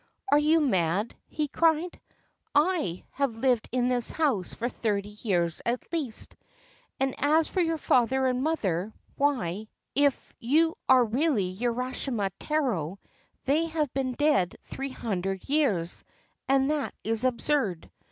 'Are you mad?' he cried. '/ have lived in this house for thirty years at least, and, as for your father and mother why, if you are really Urashima Taro, they have been dead three hundred years ; and that is absurd.